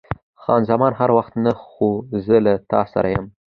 خان زمان: هر وخت نه، خو زه له تا سره یم.